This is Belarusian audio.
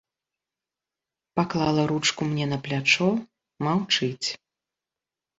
Паклала ручку мне на плячо, маўчыць.